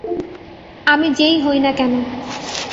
আমি যে হই না কেন।